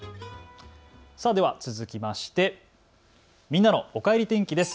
では続いてみんなのおかえり天気です。